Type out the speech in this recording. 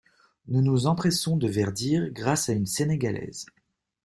Nous nous empressons de verdir grâce à une sénégalaise.